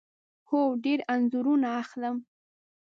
هو، ډیر انځورونه اخلم